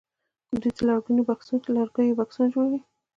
دوی د لرګیو بکسونه جوړوي.